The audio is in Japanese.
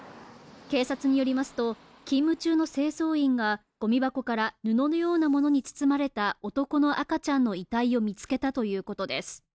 警察によりますと、勤務中の清掃員がごみ箱から布のようなものに包まれた男の赤ちゃんの遺体を見つけたということです。